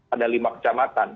ada lima kecamatan